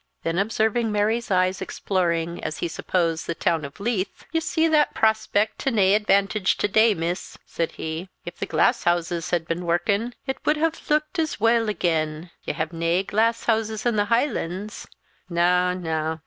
Then observing Mary's eyes exploring, as he supposed, the town of Leith, "You see that prospeck to nae advantage the day, miss," said he. "If the glasshouses had been workin', it would have looked as weel again. Ye hae nae glass houses in the Highlands; na, na."